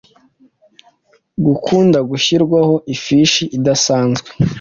gukundagushyirwaho ifishi idasanzwe